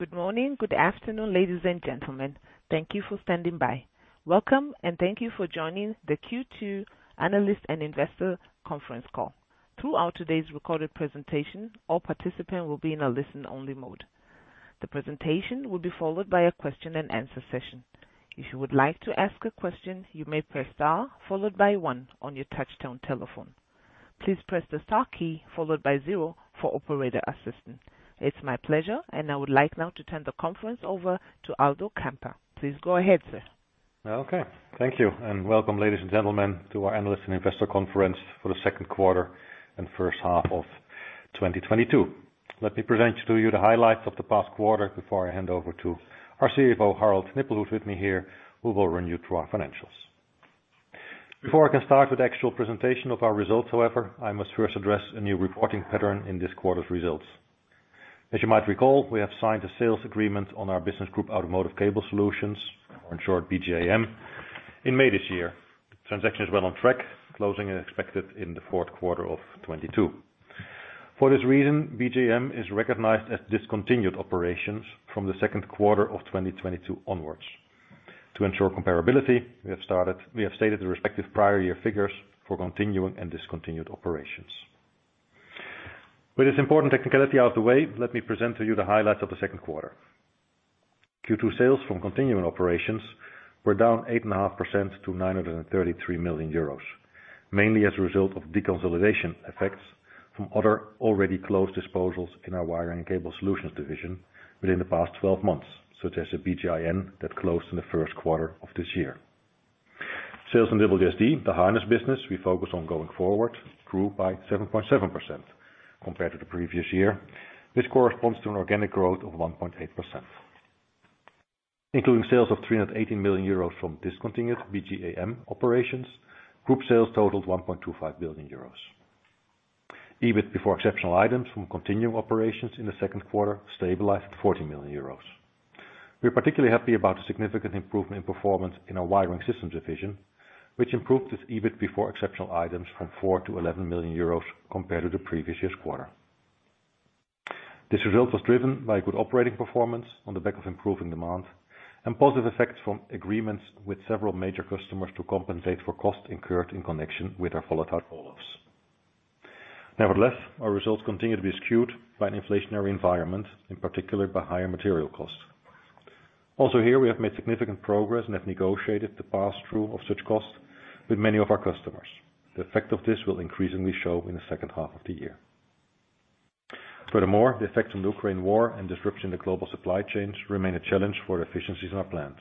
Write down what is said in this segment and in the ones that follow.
Good morning. Good afternoon, ladies and gentlemen. Thank you for standing by. Welcome, and thank you for joining the Q2 Analyst and Investor conference call. Throughout today's recorded presentation, all participants will be in a listen-only mode. The presentation will be followed by a question-and-answer session. If you would like to ask a question, you may press star followed by one on your touchtone telephone. Please press the star key followed by zero for operator assistance. It's my pleasure, and I would like now to turn the conference over to Aldo Kamper. Please go ahead, sir. Okay. Thank you, and welcome ladies and gentlemen to our Analyst and Investor conference for the Q2 and first half of 2022. Let me present to you the highlights of the past quarter before I hand over to our CFO, Harald Nippel, who's with me here, who will run you through our financials. Before I can start with the actual presentation of our results, however, I must first address a new reporting pattern in this quarter's results. As you might recall, we have signed a sales agreement on our Business Group Automotive Cable Solutions, or in short, BG AM, in May this year. Transaction is well on track. Closing is expected in the Q4 of 2022. For this reason, BG AM is recognized as discontinued operations from the Q2 of 2022 onwards. To ensure comparability, we have stated the respective prior year figures for continuing and discontinued operations. With this important technicality out of the way, let me present to you the highlights of the Q2. Q2 sales from continuing operations were down 8.5% to 933 million euros, mainly as a result of deconsolidation effects from other already closed disposals in our Wire & Cable Solutions division within the past twelve months, such as the BG IN that closed in the Q1 of this year. Sales in WSD, the harness business we focus on going forward, grew by 7.7% compared to the previous year. This corresponds to an organic growth of 1.8%. Including sales of 380 million euros from discontinued BG AM operations, group sales totaled 1.25 billion euros. EBITDA before exceptional items from continuing operations in the Q2 stabilized at 40 million euros. We're particularly happy about the significant improvement in performance in our Wiring Systems Division, which improved its EBITDA before exceptional items from 4 million to 11 million compared to the previous year's quarter. This result was driven by a good operating performance on the back of improving demand and positive effects from agreements with several major customers to compensate for costs incurred in connection with our volatile call-offs. Nevertheless, our results continue to be skewed by an inflationary environment, in particular by higher material costs. Also here, we have made significant progress and have negotiated the pass-through of such costs with many of our customers. The effect of this will increasingly show in the second half of the year. Furthermore, the effects of the Ukraine war and disruption to global supply chains remain a challenge for efficiencies in our plans.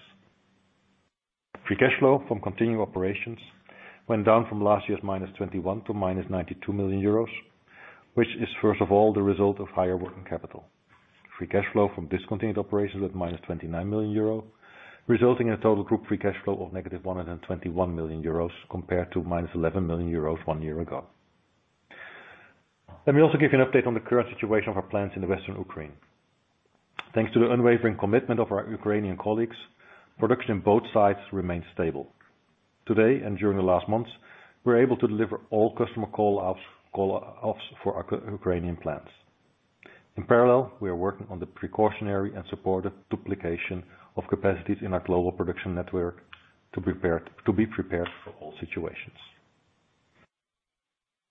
Free cash flow from continuing operations went down from last year's -21 million to -92 million, which is first of all the result of higher working capital. Free cash flow from discontinued operations at -29 million euro, resulting in a total group free cash flow of -121 million euros compared to -11 million euros one year ago. Let me also give you an update on the current situation of our plants in the western Ukraine. Thanks to the unwavering commitment of our Ukrainian colleagues, production in both sites remains stable. Today, and during the last months, we're able to deliver all customer call-offs for our Ukrainian plants. In parallel, we are working on the precautionary and supportive duplication of capacities in our global production network to be prepared for all situations.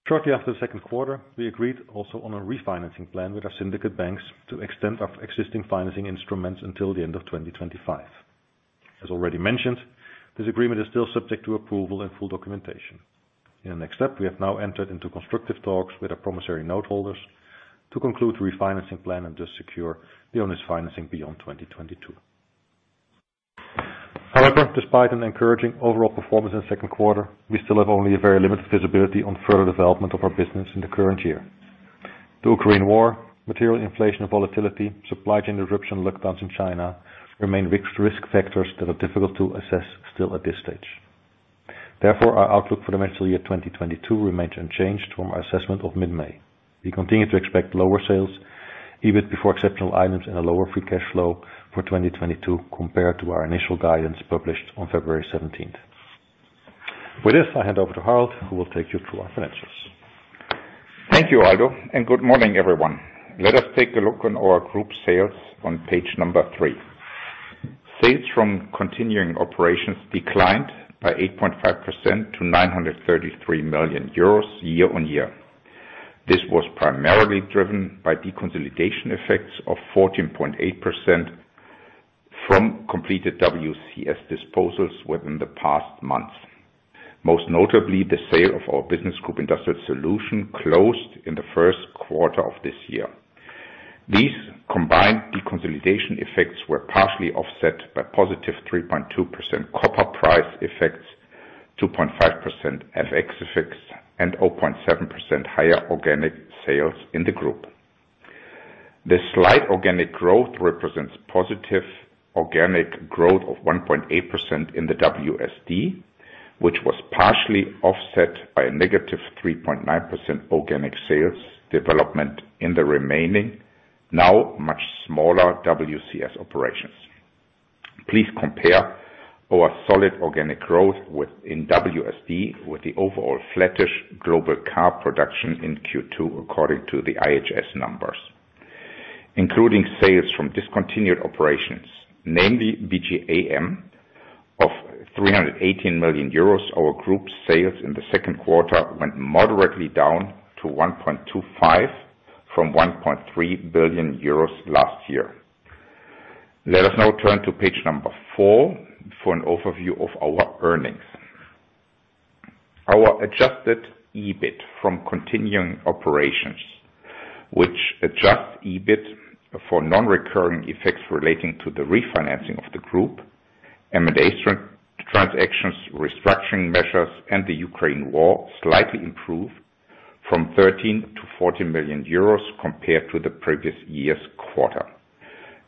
Shortly after the Q2, we agreed also on a refinancing plan with our syndicate banks to extend our existing financing instruments until the end of 2025. As already mentioned, this agreement is still subject to approval and full documentation. In the next step, we have now entered into constructive talks with our promissory note holders to conclude the refinancing plan and thus secure the ongoing financing beyond 2022. However, despite an encouraging overall performance in the Q2, we still have only a very limited visibility on further development of our business in the current year. The Ukraine war, material inflation and volatility, supply chain disruption, lockdowns in China remain risk factors that are difficult to assess still at this stage. Therefore, our outlook for the financial year 2022 remains unchanged from our assessment of mid-May. We continue to expect lower sales, EBIT before exceptional items and a lower free cash flow for 2022 compared to our initial guidance published on 17 February. With this, I hand over to Harald, who will take you through our financials. Thank you, Aldo, and good morning, everyone. Let us take a look on our group sales on page three. Sales from continuing operations declined by 8.5% to 933 million euros year-on-year. This was primarily driven by deconsolidation effects of 14.8% from completed WCS disposals within the past months. Most notably, the sale of our Business Group Industrial Solutions closed in the Q1 of this year. These combined deconsolidation effects were partially offset by +3.2% copper price effects, 2.5% FX effects, and 0.7% higher organic sales in the group. The slight organic growth represents positive organic growth of 1.8% in the WSD, which was partially offset by a -3.9% organic sales development in the remaining, now much smaller WCS operations. Please compare our solid organic growth with, in WSD with the overall flattish global car production in Q2 according to the IHS numbers. Including sales from discontinued operations, namely BG AM of 318 million euros, our group sales in the Q2 went moderately down to 1.25 billion from 1.3 billion euros last year. Let us now turn to page four for an overview of our earnings. Our adjusted EBITDA from continuing operations, which adjusts EBITDA for non-recurring effects relating to the refinancing of the group, M&A transactions, restructuring measures, and the Ukraine war, slightly improved from 13 million euros to 14 million compared to the previous year's quarter.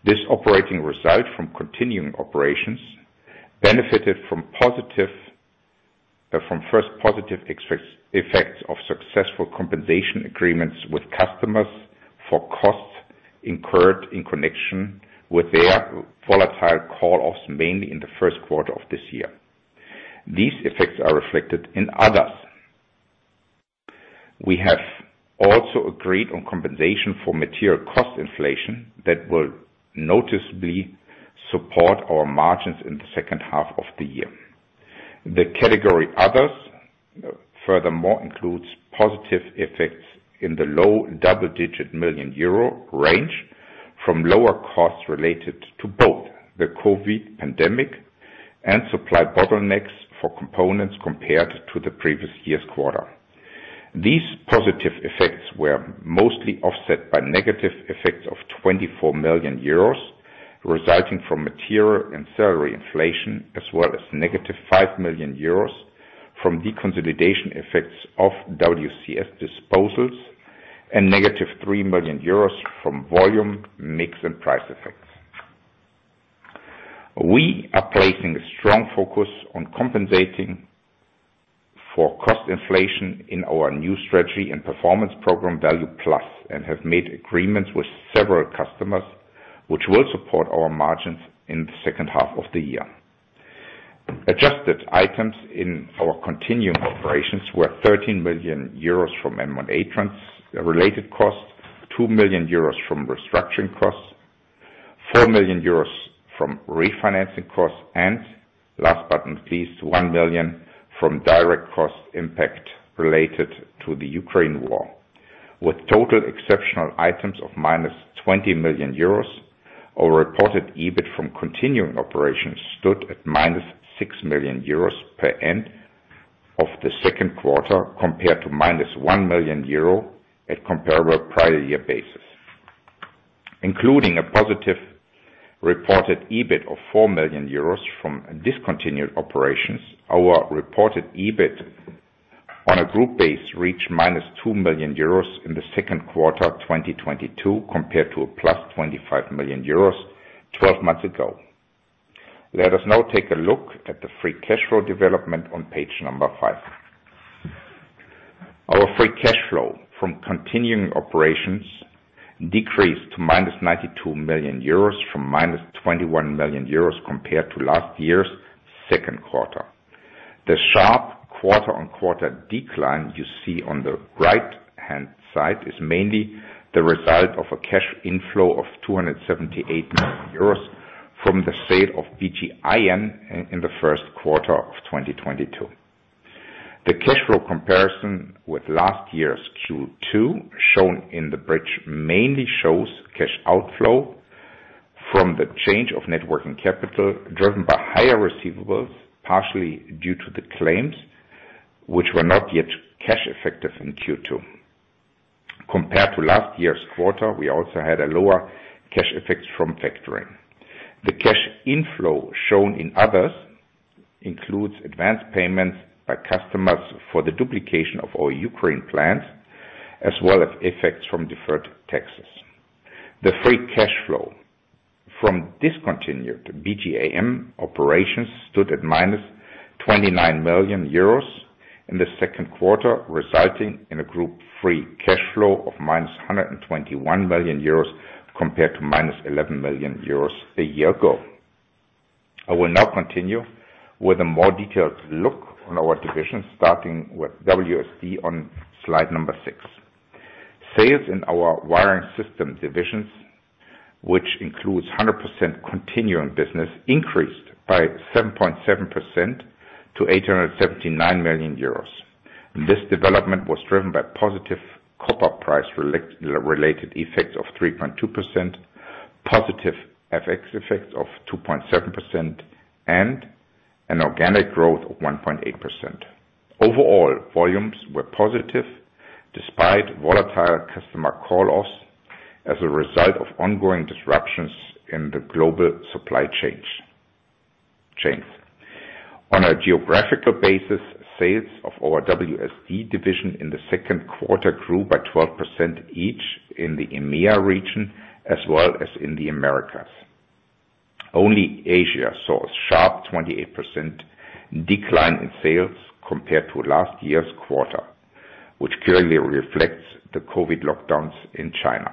This operating result from continuing operations benefited from positive effects of successful compensation agreements with customers for costs incurred in connection with their volatile call offs mainly in the Q1 of this year. These effects are reflected in others. We have also agreed on compensation for material cost inflation that will noticeably support our margins in the second half of the year. The category others, furthermore, includes positive effects in the low double-digit million EUR range from lower costs related to both the COVID pandemic and supply bottlenecks for components compared to the previous year's quarter. These positive effects were mostly offset by negative effects of 24 million euros, resulting from material and salary inflation, as well as -5 million euros from deconsolidation effects of WCS disposals and -3 million euros from volume mix and price effects. We are placing a strong focus on compensating for cost inflation in our new strategy and performance program ValuePlus, and have made agreements with several customers, which will support our margins in the second half of the year. Adjusted items in our continuing operations were 13 million euros from M&A related costs, 2 million euros from restructuring costs, 4 million euros from refinancing costs, and last but not least, 1 million from direct cost impact related to the Ukraine war. With total exceptional items of -20 million euros, our reported EBITDA from continuing operations stood at -6 million euros at the end of the Q2, compared to -1 million euro comparable prior-year basis. Including a positive reported EBITDA of 4 million euros from discontinued operations, our reported EBITDA on a group basis reached -2 million euros in the Q2 of 2022, compared to +25 million euros 12 months ago. Let us now take a look at the free cash flow development on page five. Our free cash flow from continuing operations decreased to -92 million euros from -21 million euros compared to last year's Q2. The sharp quarter-on-quarter decline you see on the right-hand side is mainly the result of a cash inflow of 278 million euros from the sale of BG IN in the Q1 of 2022. The cash flow comparison with last year's Q2 shown in the bridge mainly shows cash outflow from the change of net working capital, driven by higher receivables, partially due to the claims which were not yet cash effective in Q2. Compared to last year's quarter, we also had a lower cash effect from factoring. The cash inflow shown in others includes advanced payments by customers for the duplication of our Ukraine plant, as well as effects from deferred taxes. The free cash flow from discontinued BG AM operations stood at -29 million euros in the Q2, resulting in a group free cash flow of -121 million euros compared to -11 million euros a year ago. I will now continue with a more detailed look on our division, starting with WSD on slide six. Sales in our Wiring Systems Division, which includes 100% continuing business, increased by 7.7% to 879 million euros. This development was driven by positive copper price related effects of 3.2%, positive FX effects of 2.7%, and an organic growth of 1.8%. Overall, volumes were positive despite volatile customer call-offs as a result of ongoing disruptions in the global supply chains. On a geographical basis, sales of our WSD division in the Q2 grew by 12% each in the EMEA region as well as in the Americas. Only Asia saw a sharp 28% decline in sales compared to last year's quarter, which clearly reflects the COVID lockdowns in China.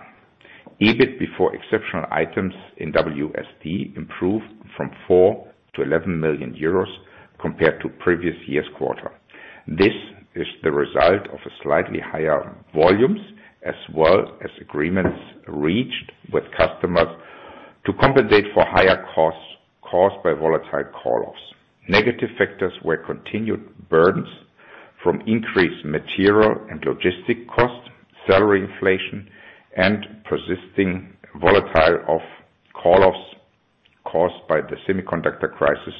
EBITDA before exceptional items in WSD improved from 4 million to 11 million compared to previous year's quarter. This is the result of a slightly higher volumes as well as agreements reached with customers to compensate for higher costs caused by volatile call-offs. Negative factors were continued burdens from increased material and logistics costs, salary inflation, and persistent volatility of call-offs caused by the semiconductor crisis,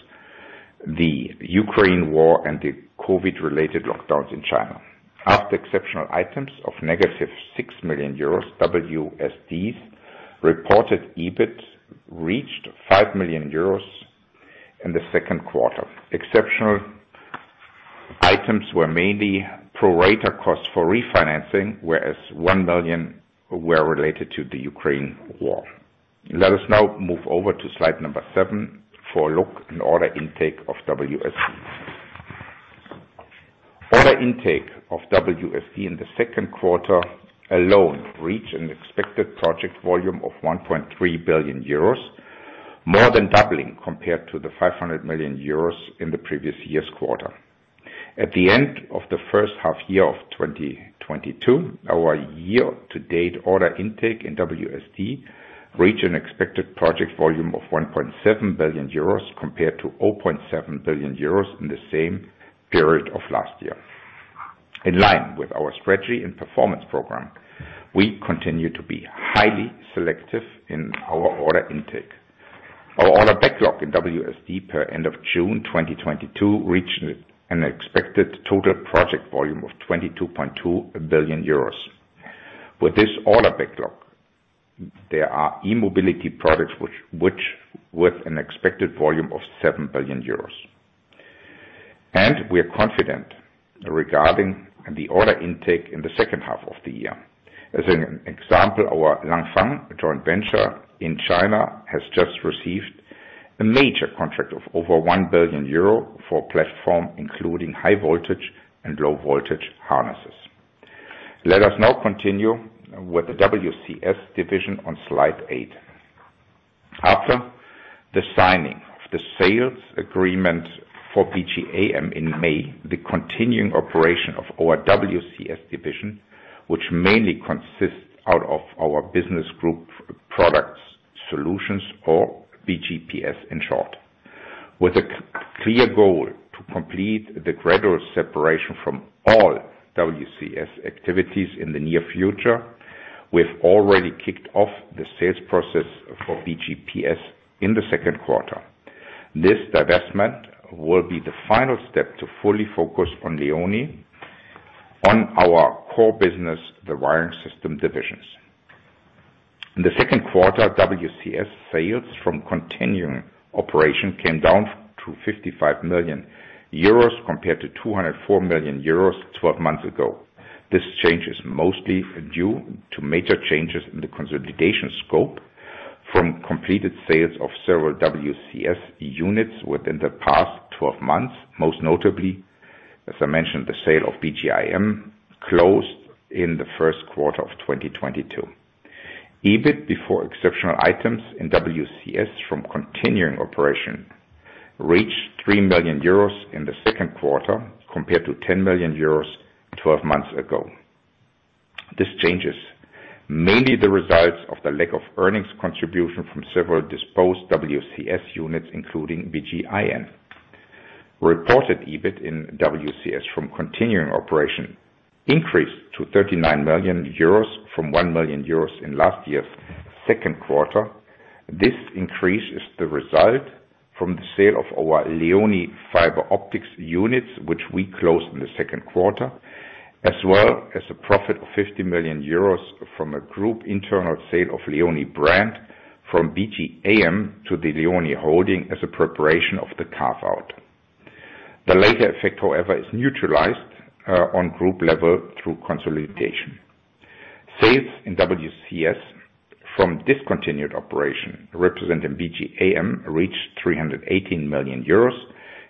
the Ukraine war, and the COVID-related lockdowns in China. After exceptional items of -6 million euros, WSD's. Reported EBITDA reached 5 million euros in the Q2 exceptional items were mainly pro rata costs for refinancing, whereas 1 million were related to the Ukraine war. Let us now move over to slide seven for a look in order intake of WSD. Order intake of WSD in the Q2 alone reached an expected project volume of 1.3 billion euros, more than doubling compared to the 500 million euros in the previous year's quarter. At the end of the first half year of 2022, our year-to-date order intake in WSD reached an expected project volume of 1.7 billion euros compared to 0.7 billion euros in the same period of last year. In line with our strategy and performance program, we continue to be highly selective in our order intake. Our order backlog in WSD per end of June 2022 reached an expected total project volume of 22.2 billion euros. With this order backlog, there are e-mobility products which with an expected volume of 7 billion euros. We are confident regarding the order intake in the second half of the year. As an example, our Langfang joint venture in China has just received a major contract of over 1 billion euro for platform including high voltage and low voltage harnesses. Let us now continue with the WCS division on slide eight. After the signing of the sales agreement for BG AM in May, the continuing operation of our WCS division, which mainly consists out of our business group products solutions or BGPS in short, with a clear goal to complete the gradual separation from all WCS activities in the near future, we've already kicked off the sales process for BGPS in the Q2. This divestment will be the final step to fully focus on LEONI on our core business, the wiring system divisions. In the Q2, WCS sales from continuing operation came down to 55 million euros compared to 204 million euros 12 months ago. This change is mostly due to major changes in the consolidation scope from completed sales of several WCS units within the past 12 months, most notably, as i mentioned, the sale of BG IN closed in the Q1 of 2022. EBITDA before exceptional items in WCS from continuing operation reached 3 million euros in the Q2 compared to 10 million euros 12 months ago. This change is mainly the results of the lack of earnings contribution from several disposed WCS units, including BG IN. Reported EBITDA in WCS from continuing operation increased to 39 million euros from 1 million euros in last year's Q2. This increase is the result from the sale of our LEONI Fiber Optics units, which we closed in the Q2, as well as a profit of 50 million euros from a group internal sale of LEONI brand from BG AM to the LEONI holding as a preparation of the carve-out. The latter effect, however, is neutralized on group level through consolidation. Sales in WCS from discontinued operation, representing BG AM, reached 318 million euros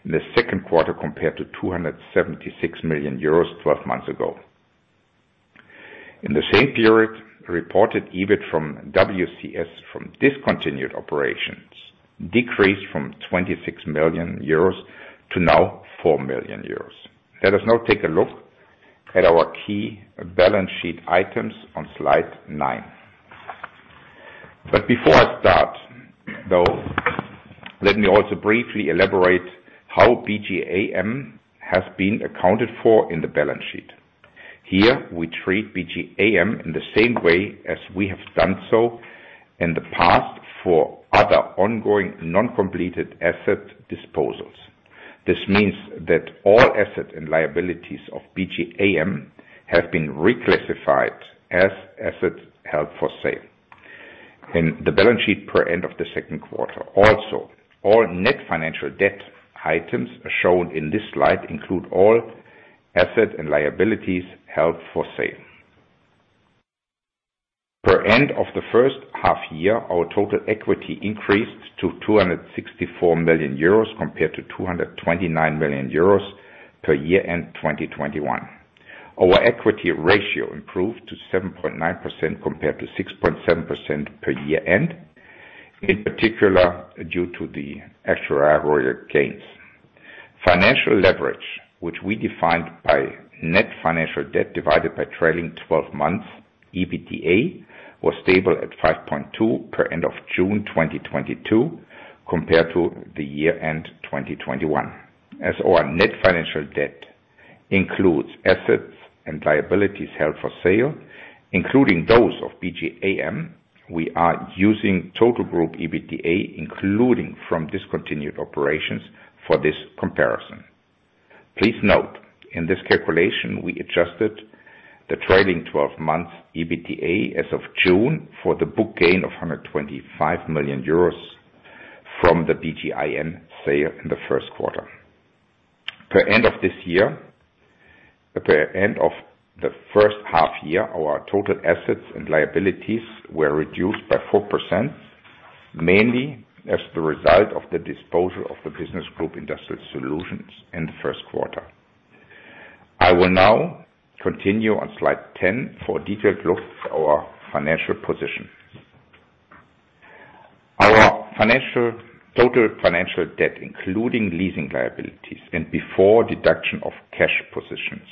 in the Q2 compared to 276 million euros 12 months ago. In the same period, reported EBITDA from WCS from discontinued operations decreased from 26 million euros to now 4 million euros. Let us now take a look at our key balance sheet items on slide nine. Before I start, though, let me also briefly elaborate how BG AM has been accounted for in the balance sheet. Here we treat BG AM in the same way as we have done so in the past for other ongoing non-completed asset disposals. This means that all assets and liabilities of BG AM have been reclassified as assets held for sale. In the balance sheet per end of the Q2, also all net financial debt items shown in this slide include all assets and liabilities held for sale. Per end of the first half year, our total equity increased to 264 million euros compared to 229 million euros per year-end 2021. Our equity ratio improved to 7.9% compared to 6.7% per year-end, in particular, due to the extraordinary gains. Financial leverage, which we defined by net financial debt divided by trailing 12 months EBITDA, was stable at 5.2 per end of June 2022 compared to the year-end 2021. As our net financial debt includes assets and liabilities held for sale, including those of BG AM, we are using total group EBITDA, including from discontinued operations for this comparison. Please note, in this calculation, we adjusted the trailing 12 months EBITDA as of June for the book gain of 125 million euros from the BG IN sale in the Q1. At the end of the first half year, our total assets and liabilities were reduced by 4%, mainly as the result of the disposal of the Business Group Industrial Solutions in the Q1. I will now continue on slide 10 for a detailed look at our financial position. Total financial debt, including leasing liabilities and before deduction of cash positions,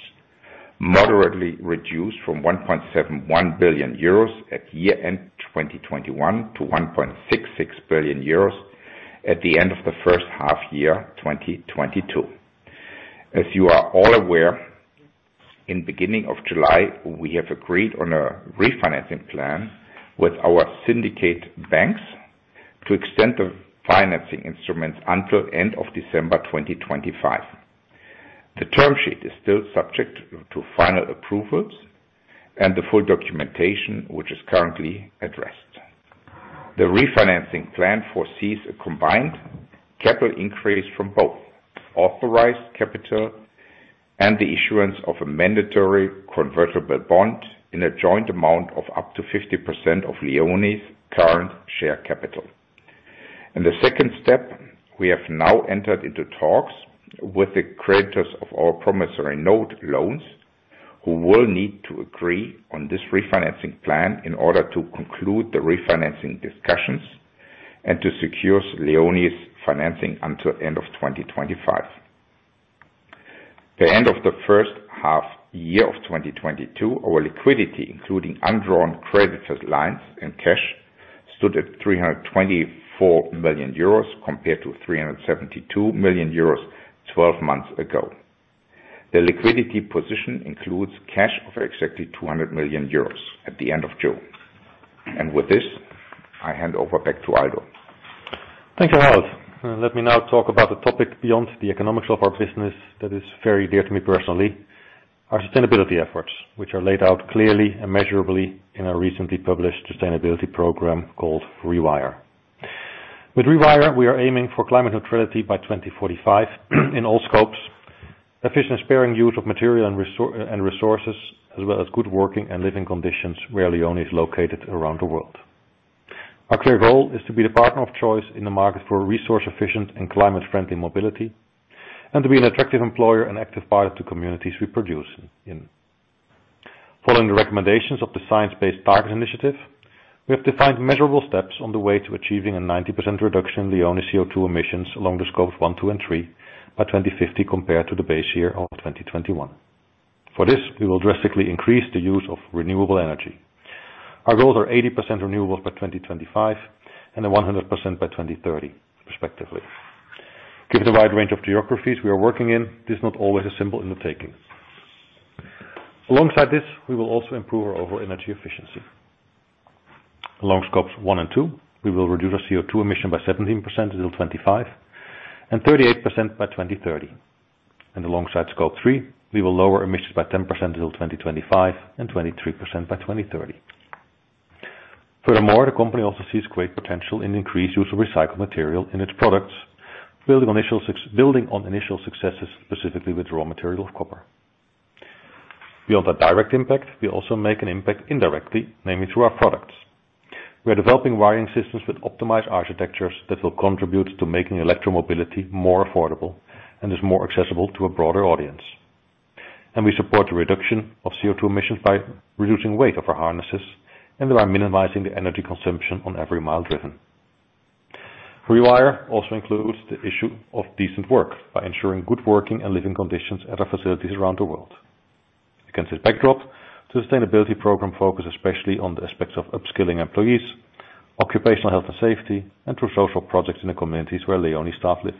moderately reduced from 1.7 billion euros at year end 2021 to 1.66 billion euros at the end of the first half year 2022. As you are all aware, in the beginning of July, we have agreed on a refinancing plan with our syndicate banks to extend the financing instruments until the end of December 2025. The term sheet is still subject to final approvals and the full documentation, which is currently addressed. The refinancing plan foresees a combined capital increase from both authorized capital and the issuance of a mandatory convertible bond in a joint amount of up to 50% of LEONI's current share capital. In the second step, we have now entered into talks with the creditors of our promissory note loans, who will need to agree on this refinancing plan in order to conclude the refinancing discussions and to secure LEONI's financing until the end of 2025. The end of the first half year of 2022, our liquidity, including undrawn credit lines and cash, stood at 324 million euros compared to 372 million euros 12 months ago. The liquidity position includes cash of exactly 200 million euros at the end of June. With this, I hand over back to Aldo. Thank you, Harald. Let me now talk about the topic beyond the economics of our business that is very dear to me personally, our sustainability efforts, which are laid out clearly and measurably in our recently published sustainability program called ReWire. With ReWire, we are aiming for climate neutrality by 2045 in all scopes, efficient sparing use of material and resources, as well as good working and living conditions where LEONI is located around the world. Our clear goal is to be the partner of choice in the market for resource-efficient and climate-friendly mobility, and to be an attractive employer and active buyer to communities we produce in. Following the recommendations of the Science Based Targets initiative, we have defined measurable steps on the way to achieving a 90% reduction in LEONI CO₂ emissions along the Scope 1, 2, and 3 by 2050 compared to the base year of 2021. For this, we will drastically increase the use of renewable energy. Our goals are 80% renewables by 2025 and 100% by 2030 respectively. Given the wide range of geographies we are working in, this is not always as simple in the taking. Alongside this, we will also improve our overall energy efficiency. Along Scopes 1 and 2, we will reduce our CO₂ emission by 17% until 2025, and 38% by 2030. Alongside Scope 3, we will lower emissions by 10% until 2025, and 23% by 2030. Furthermore, the company also sees great potential in increased use of recycled material in its products, building on initial successes, specifically with raw material of copper. Beyond the direct impact, we also make an impact indirectly, namely through our products. We are developing wiring systems with optimized architectures that will contribute to making e-mobility more affordable and is more accessible to a broader audience. We support the reduction of CO₂ emissions by reducing weight of our harnesses and by minimizing the energy consumption on every mile driven. ReWire also includes the issue of decent work by ensuring good working and living conditions at our facilities around the world. Against this backdrop, the sustainability program focus especially on the aspects of upskilling employees, occupational health and safety, and through social projects in the communities where LEONI staff lives.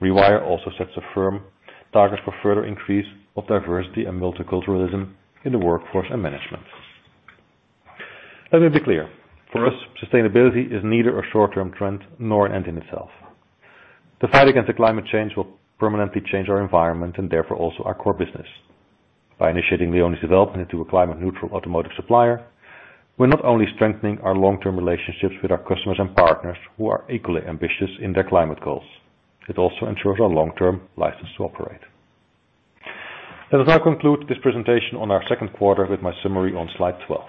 ReWire also sets a firm target for further increase of diversity and multiculturalism in the workforce and management. Let me be clear. For us, sustainability is neither a short-term trend nor an end in itself. The fight against the climate change will permanently change our environment and therefore also our core business. By initiating LEONI's development into a climate neutral automotive supplier, we're not only strengthening our long-term relationships with our customers and partners who are equally ambitious in their climate goals, it also ensures our long-term license to operate. Let us now conclude this presentation on our Q2 with my summary on slide 12.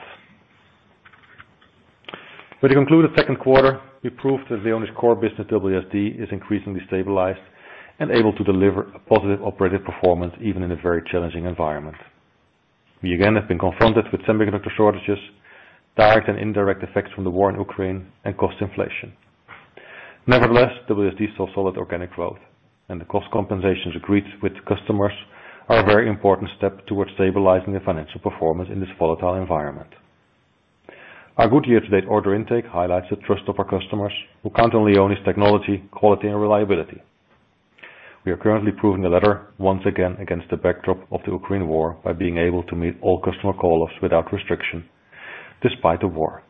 With the concluded Q2, we proved that LEONI's core business, WSD, is increasingly stabilized and able to deliver a positive operating performance, even in a very challenging environment. We again have been confronted with semiconductor shortages, direct and indirect effects from the war in Ukraine, and cost inflation. Nevertheless, WSD saw solid organic growth, and the cost compensations agreed with customers are a very important step towards stabilizing the financial performance in this volatile environment. Our good year-to-date order intake highlights the trust of our customers who count on LEONI's technology, quality, and reliability. We are currently proving the latter once again against the backdrop of the Ukraine war by being able to meet all customer call-offs without restriction despite the war,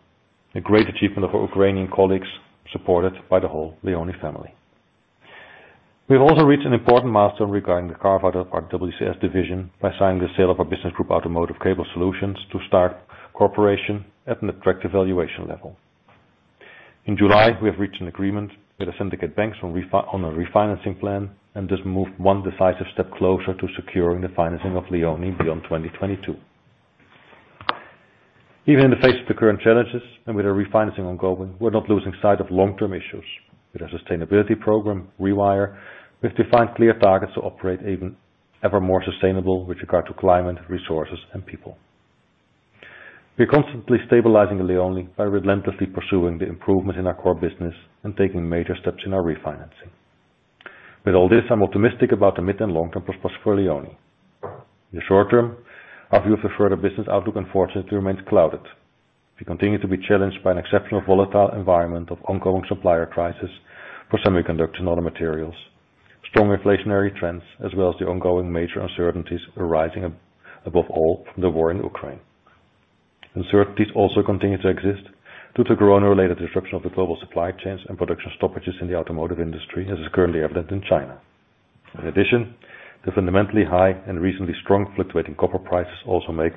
a great achievement of our Ukrainian colleagues, supported by the whole LEONI family. We have also reached an important milestone regarding the carve-out of our WCS division by signing the sale of our Business Group Automotive Cable Solutions to STARK Corporation at an attractive valuation level. In July, we have reached an agreement with the syndicate banks on a refinancing plan, and this moved one decisive step closer to securing the financing of LEONI beyond 2022. Even in the face of the current challenges, and with the refinancing ongoing, we're not losing sight of long-term issues. With our sustainability program, ReWire, we've defined clear targets to operate even more sustainable with regard to climate, resources, and people. We are constantly stabilizing LEONI by relentlessly pursuing the improvements in our core business and taking major steps in our refinancing. With all this, I'm optimistic about the mid and long-term prospects for LEONI. In the short term, our view of the further business outlook, unfortunately, remains clouded. We continue to be challenged by an exceptionally volatile environment of ongoing supplier crisis for semiconductors and other materials, strong inflationary trends, as well as the ongoing major uncertainties arising above all from the war in Ukraine. Uncertainty also continue to exist due to corona-related disruption of the global supply chains and production stoppages in the automotive industry, as is currently evident in China. In addition, the fundamentally high and recently strong fluctuating copper prices also makes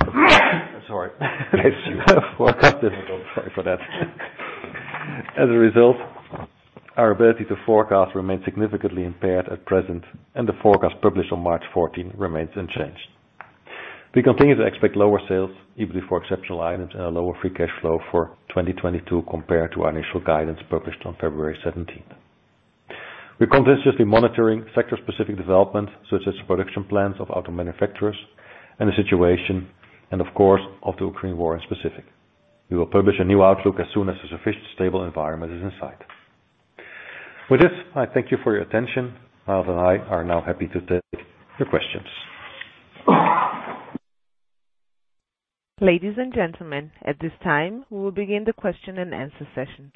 the forecast difficult. As a result, our ability to forecast remains significantly impaired at present, and the forecast published on 14 March remains unchanged. We continue to expect lower sales, EBITDA before exceptional items, and a lower free cash flow for 2022 compared to our initial guidance published on 17 February. We're continuously monitoring sector-specific developments, such as production plans of auto manufacturers and the situation in Ukraine and, of course, the war specifically. We will publish a new outlook as soon as a sufficiently stable environment is in sight. With this, I thank you for your attention. Miles and i are now happy to take your questions. Ladies and gentlemen, at this time, we will begin the question-and-answer session.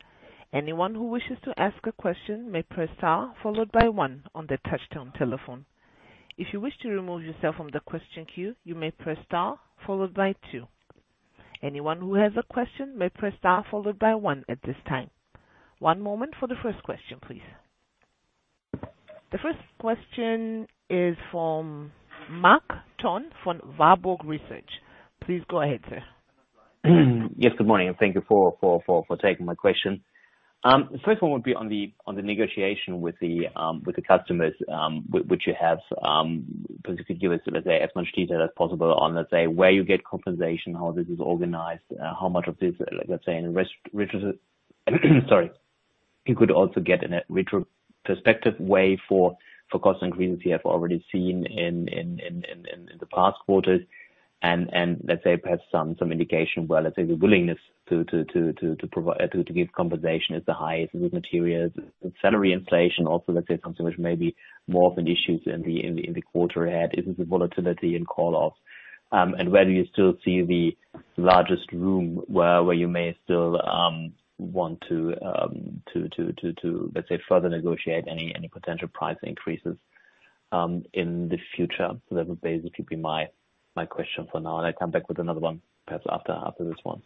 Anyone who wishes to ask a question may press star followed by one on their touchtone telephone. If you wish to remove yourself from the question queue, you may press star followed by two. Anyone who has a question may press star followed by one at this time. One moment for the first question, please. The first question is from Marc Tonn from Warburg Research. Please go ahead, sir. Yes, good morning, and thank you for taking my question. First one would be on the negotiation with the customers which you have. Could you give us, let's say, as much detail as possible on, let's say, where you get compensation, how this is organized, how much of this, let's say, you could also get in a retrospective way for cost increases you have already seen in the past quarters. And, let's say, perhaps some indication where the willingness to provide compensation is the highest with materials. Salary inflation also, let's say, something which may be more of an issue in the quarter ahead is it the volatility in call off? Where do you still see the largest room where you may still want to, let's say, further negotiate any potential price increases in the future? That would basically be my question for now, and I come back with another one perhaps after this one.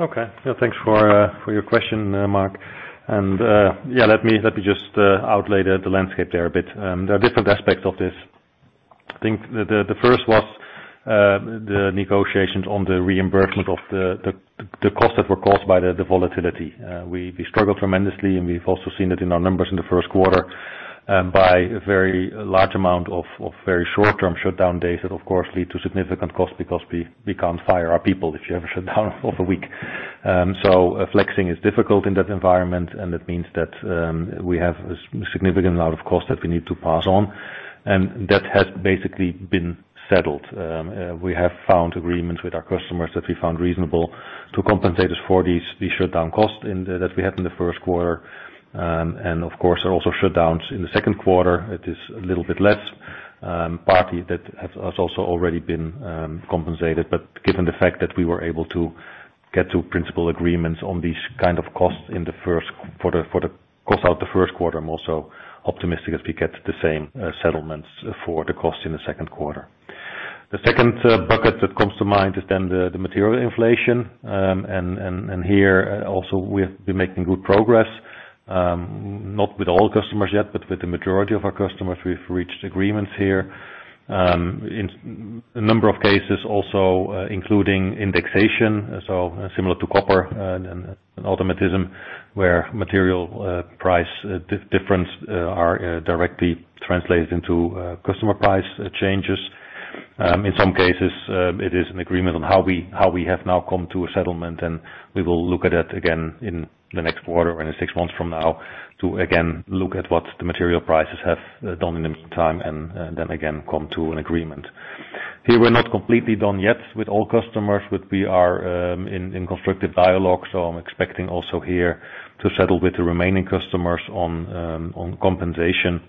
Okay. Yeah, thanks for your question, Mark. Yeah, let me just lay out the landscape there a bit there are different aspects of this. I think the first was the negotiations on the reimbursement of the costs that were caused by the volatility. We struggled tremendously, and we've also seen it in our numbers in the Q1 by a very large amount of very short-term shutdown days that of course lead to significant cost because we can't fire our people if you have a shutdown for a week. Flexing is difficult in that environment, and that means that we have a significant amount of cost that we need to pass on, and that has basically been settled. We have found agreements with our customers that we found reasonable to compensate us for these shutdown costs that we had in the Q1. Of course, there are also shutdowns in the Q2 it is a little bit less. Partly that has also already been compensated. Given the fact that we were able to get to in principle agreements on these kind of costs for the cost of the Q1, I'm also optimistic as we get the same settlements for the cost in the Q2. The second bucket that comes to mind is then the material inflation, and here also we have been making good progress, not with all customers yet, but with the majority of our customers we've reached agreements here, in a number of cases also, including indexation, so similar to copper and an automatism where material price difference are directly translated into customer price changes. In some cases, it is an agreement on how we have now come to a settlement, and we will look at it again in the next quarter, or in six months from now, to again look at what the material prices have done in the meantime and then again come to an agreement. Here we're not completely done yet with all customers, but we are in constructive dialogue im expecting also here to settle with the remaining customers on compensation.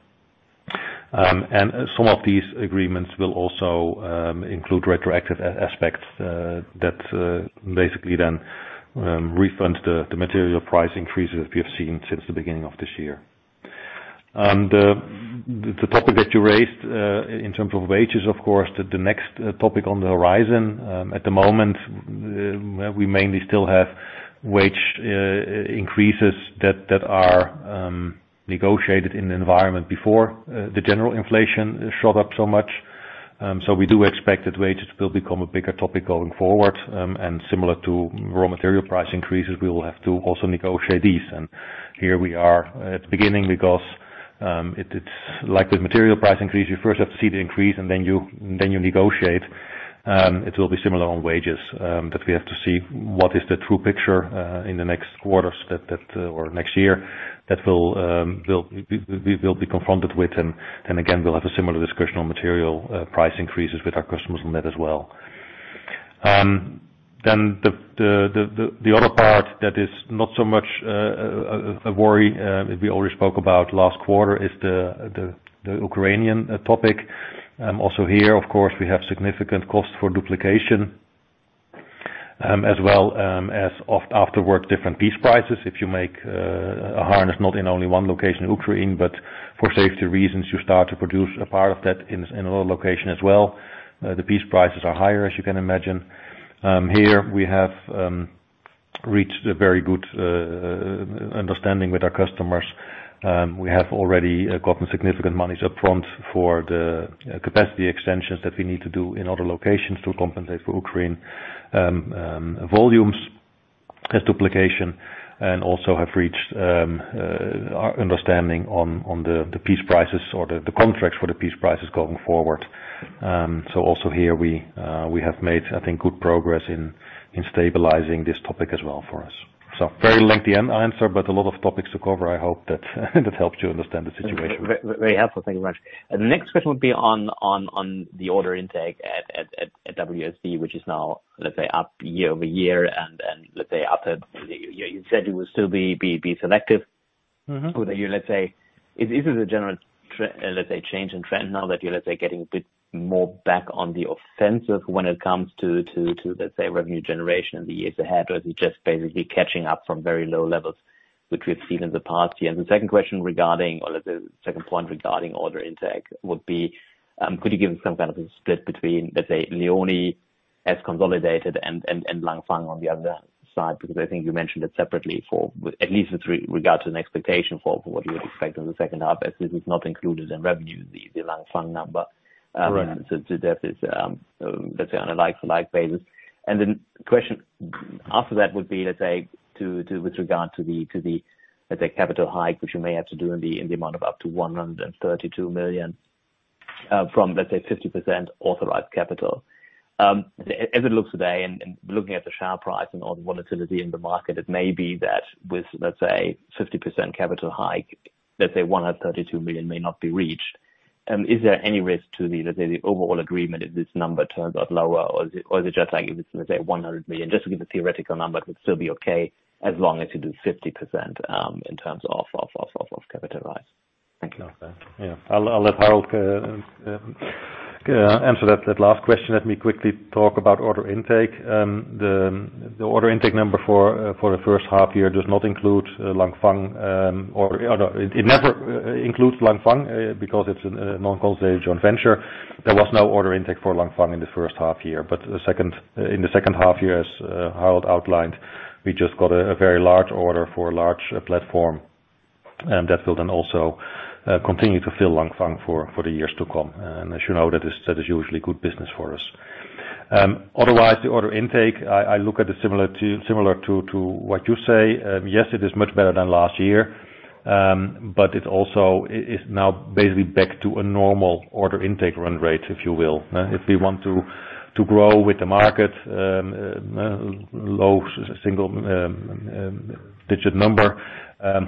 Some of these agreements will also include retroactive aspects that basically then refund the material price increases we have seen since the beginning of this year. The topic that you raised in terms of wages, of course, the next topic on the horizon. At the moment, we mainly still have wage increases that are negotiated in the environment before the general inflation shot up so much. We do expect that wages will become a bigger topic going forward. Similar to raw material price increases, we will have to also negotiate these. Here we are at the beginning because it's like with material price increase, you first have to see the increase and then you negotiate. It will be similar on wages that we have to see what is the true picture in the next quarters or next year that we will be confronted with. Again, we'll have a similar discussion on material price increases with our customers on that as well. Then the other part that is not so much a worry that we already spoke about last quarter is the Ukrainian topic. Also here, of course, we have significant cost for duplication as well as after work different piece prices if you make a harness not in only one location in Ukraine, but for safety reasons, you start to produce a part of that in another location as well, the piece prices are higher, as you can imagine. Here we have reached a very good understanding with our customers. We have already gotten significant monies up front for the capacity extensions that we need to do in other locations to compensate for Ukraine volumes as duplication, and also have reached our understanding on the piece prices or the contracts for the piece prices going forward. Also here we have made, I think, good progress in stabilizing this topic as well for us. Very lengthy a answer, but a lot of topics to cover i hope that helps you understand the situation. Very helpful. Thank you very much. The next question would be on the order intake at WSD, which is now, let's say, up year-over-year and let's say up at year you said you will still be selective. Would you, let's say, is it a general change in trend now that you're, let's say, getting a bit more back on the offensive when it comes to, let's say, revenue generation in the years ahead? Or is it just basically catching up from very low levels, which we've seen in the past years? The second question regarding, or let's say the second point regarding order intake would be- -could you give some kind of a split between, let's say, LEONI as consolidated and Langfang on the other side? Because I think you mentioned it separately for at least with regards to an expectation for what you would expect in the second half, as this is not included in revenue, the Langfang number. Right. That is, let's say, on a like-for-like basis. The question after that would be with regard to the capital hike, which you may have to do in the amount of up to 132 million from 50% authorized capital. As it looks today and looking at the share price and all the volatility in the market, it may be that with 50% capital hike, 132 million may not be reached. Is there any risk to the, let's say the overall agreement if this number turns out lower or is it just like if it's, let's say 100 million, just to give a theoretical number, it would still be okay as long as it is 50% in terms of capital rise? Thank you. Okay. Yeah. I'll let Harald answer that last question let me quickly talk about order intake. The order intake number for the first half year does not include Langfang. It never includes Langfang because it's a non-consolidated joint venture. There was no order intake for Langfang in the first half year in the second half year, as Harald outlined, we just got a very large order for a large platform, and that will then also continue to fill Langfang for the years to come. As you know, that is usually good business for us. Otherwise, the order intake, I look at it similar to what you say. Yes, it is much better than last year. It also is now basically back to a normal order intake run rate, if you will. If we want to grow with the market, low single digit number,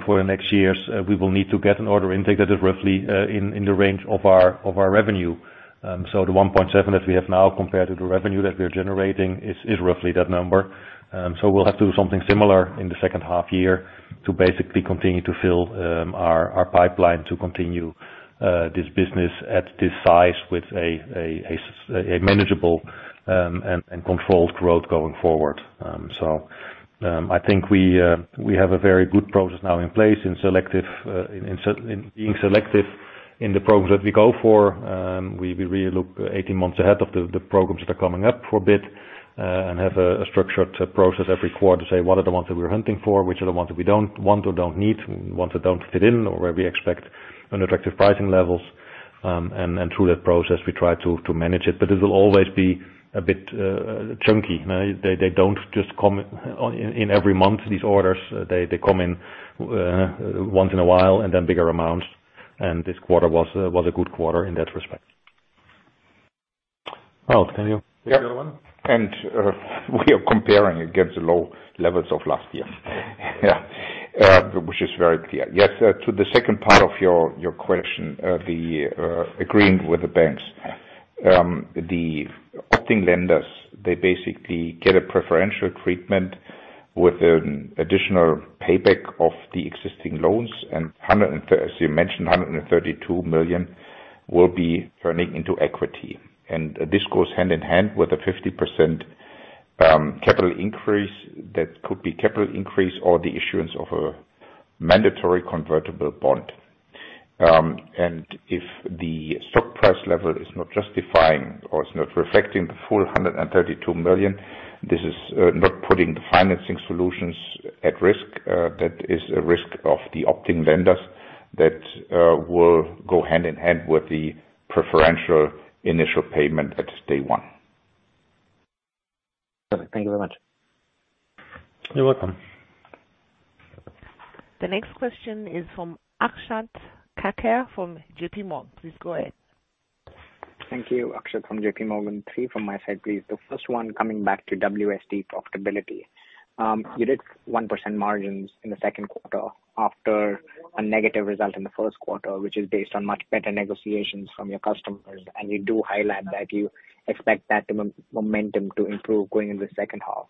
for the next years, we will need to get an order intake that is roughly in the range of our revenue. The 1.7 million that we have now compared to the revenue that we're generating is roughly that number. We'll have to do something similar in the second half year to basically continue to fill our pipeline to continue this business at this size with a manageable and controlled growth going forward. I think we have a very good process now in place in being selective in the programs that we go for. We really look 18 months ahead of the programs that are coming up for a bit and have a structured process every quarter to say what are the ones that we're hunting for, which are the ones that we don't want or don't need, ones that don't fit in, or where we expect unattractive pricing levels. Through that process, we try to manage it, but it'll always be a bit chunky they don't just come in every month, these orders. They come in once in a while and then bigger amounts, and this quarter was a good quarter in that respect. Well, can you? We are comparing against the low levels of last year. Yeah. Which is very clear to the second part of your question, the agreeing with the banks. The opting lenders, they basically get a preferential treatment with an additional payback of the existing loans. As you mentioned, 132 million will be turning into equity. This goes hand in hand with the 50% capital increase. That could be capital increase or the issuance of a mandatory convertible bond. If the stock price level is not justifying or it's not reflecting the full 132 million, this is not putting the financing solutions at risk. That is a risk of the opting lenders that will go hand in hand with the preferential initial payment at day one. Perfect. Thank you very much. You're welcome. The next question is from Akshat Kacker from JP Morgan. Please go ahead. Thank you. Akshat Kacker from JPMorgan three from my side, please the first one coming back to WSD profitability. You did 1% margins in the Q2 after a negative result in the Q1, which is based on much better negotiations from your customers you do highlight that you expect that momentum to improve going in the second half.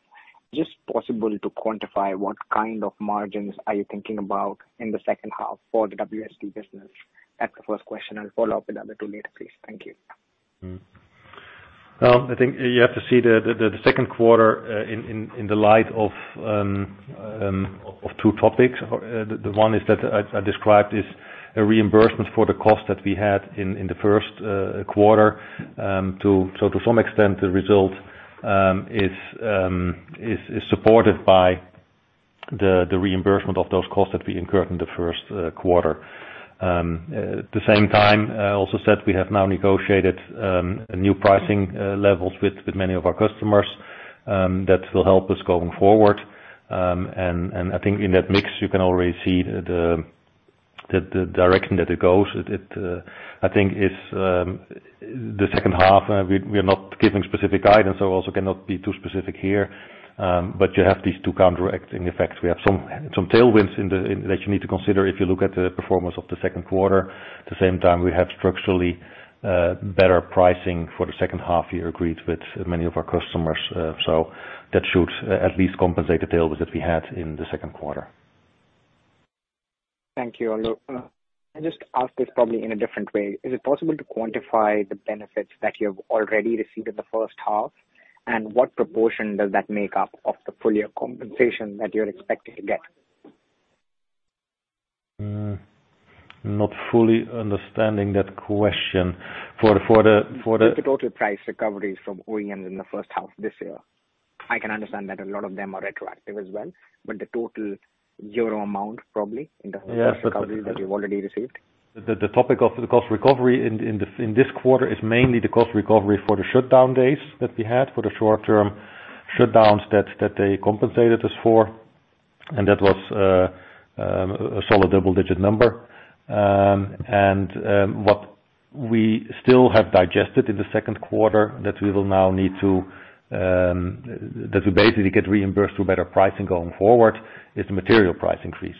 Is it possible to quantify what kind of margins are you thinking about in the second half for the WSD business? That's the first question i'll follow up with other two later, please. Thank you. Well, I think you have to see the Q2 in the light of two topics. The one is that I described is a reimbursement for the costs that we had in the Q1. To some extent, the result is supported by the reimbursement of those costs that we incurred in the Q1. At the same time, I also said we have now negotiated new pricing levels with many of our customers that will help us going forward. I think in that mix, you can already see the direction that it goes. I think it is the second half we are not giving specific guidance, so also cannot be too specific here. You have these two counteracting effects we have some tailwinds that you need to consider if you look at the performance of the Q2. At the same time, we have structurally better pricing for the second half year agreed with many of our customers, so that should at least compensate the tailwinds that we had in the Q2. Thank you, Aldo. Can I just ask this probably in a different way? Is it possible to quantify the benefits that you've already received in the first half? What proportion does that make up of the full year compensation that you're expecting to get? Not fully understanding that question. For the- The total price recoveries from OEMs in the first half this year. I can understand that a lot of them are retroactive as well, but the total EUR amount probably in the cost recovery that you've already received. The topic of the cost recovery in this quarter is mainly the cost recovery for the shutdown days that we had, for the short-term shutdowns that they compensated us for, and that was a solid double-digit number. What we still have digested in the Q2 that we basically get reimbursed through better pricing going forward is the material price increase.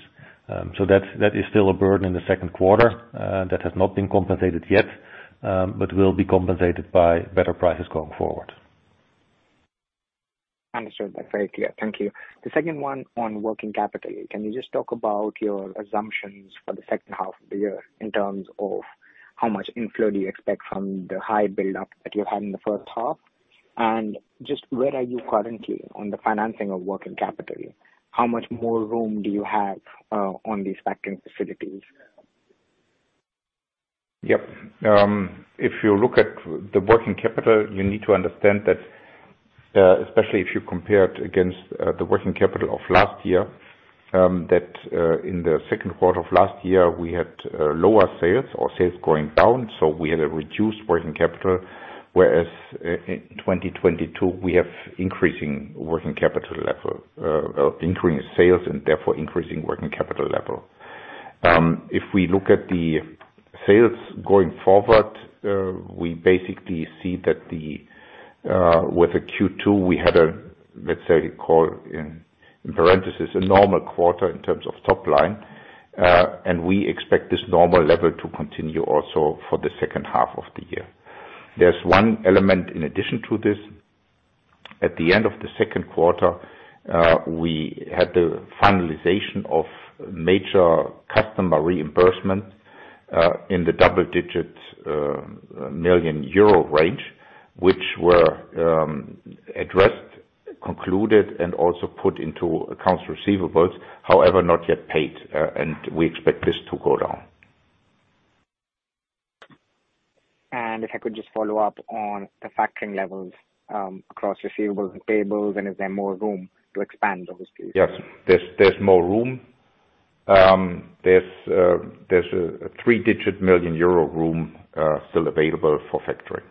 That is still a burden in the Q2 that has not been compensated yet, but will be compensated by better prices going forward. Understood. That's very clear thank you. The second one on working capital can you just talk about your assumptions for the second half of the year in terms of how much inflow do you expect from the high buildup that you had in the first half? And just where are you currently on the financing of working capital? How much more room do you have on these backing facilities? Yep. If you look at the working capital, you need to understand that, especially if you compare it against the working capital of last year, that in the Q2 of last year, we had lower sales or sales going down, so we had a reduced working capital. Whereas in 2022, we have increasing working capital level, increasing sales and therefore increasing working capital level. If we look at the sales going forward, we basically see that with the Q2, we had a, let's say, call in parentheses, a normal quarter in terms of top line. We expect this normal level to continue also for the second half of the year. There's one element in addition to this. At the end of the Q2, we had the finalization of major customer reimbursement in the double-digit million EUR range, which were addressed, concluded, and also put into accounts receivables, however, not yet paid, and we expect this to go down. If I could just follow up on the factoring levels across receivables and payables, and is there more room to expand those, please? Yes. There's more room. There's a three-digit million EUR room still available for factoring.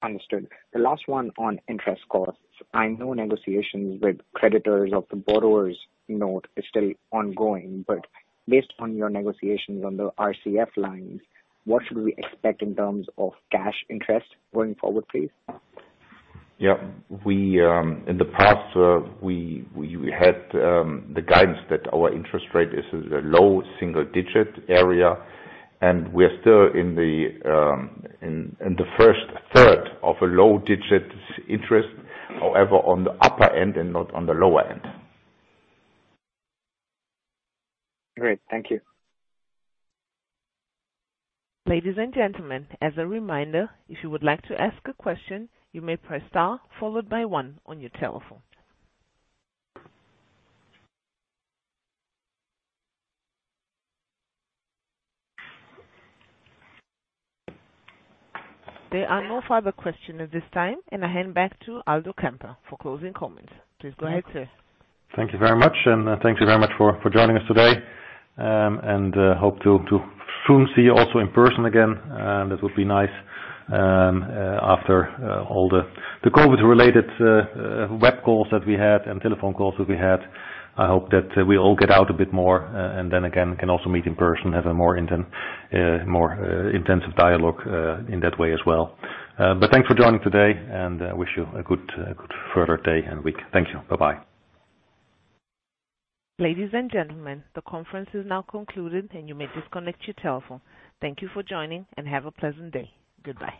Understood. The last one on interest costs. I know negotiations with creditors of the borrower's note is still ongoing, but based on your negotiations on the RCF lines, what should we expect in terms of cash interest going forward, please? Yeah. In the past, we had the guidance that our interest rate is a low single-digit area, and we're still in the first third of a low digit interest. However, on the upper end and not on the lower end. Great. Thank you. Ladies and gentlemen, as a reminder, if you would like to ask a question, you may press star followed by one on your telephone. There are no further questions at this time, and I hand back to Aldo Kamper for closing comments. Please go ahead, sir. Thank you very much, and thank you very much for joining us today. Hope to soon see you also in person again. That would be nice. After all the COVID-related web calls that we had and telephone calls that we had, I hope that we all get out a bit more, and then again can also meet in person, have a more intensive dialogue in that way as well. Thanks for joining today, and I wish you a good further day and week. Thank you. Bye-bye. Ladies and gentlemen, the conference is now concluded, and you may disconnect your telephone. Thank you for joining, and have a pleasant day. Goodbye.